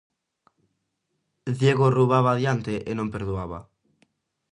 Diego roubaba adiante e non perdoaba.